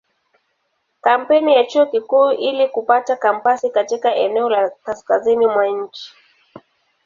Kampeni ya Chuo Kikuu ili kupata kampasi katika eneo la kaskazini mwa nchi.